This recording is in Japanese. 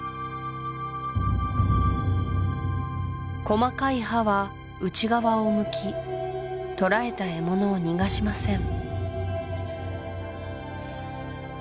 細かい歯は内側を向き捕らえた獲物を逃がしません